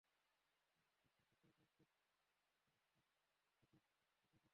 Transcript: বিশ্বের দ্বিতীয় বৃহত্তম ক্রিপ্টোকারেন্সি ইথারিয়ামের দাম রেকর্ড উচ্চতায় পৌঁছেছে।